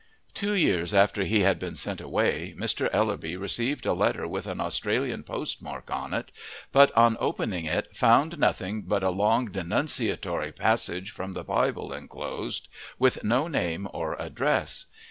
Two years after he had been sent away Mr. Ellerby received a letter with an Australian postmark on it, but on opening it found nothing but a long denunciatory passage from the Bible enclosed, with no name or address.